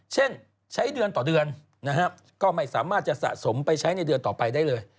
เช่นใช้เดือนต่อเดือนนะฮะก็ไม่สามารถจะสะสมไปใช้ในเดือนต่อไปได้เลย